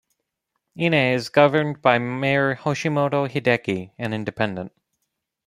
Ine is governed by mayor Yoshimoto Hideki, an independent.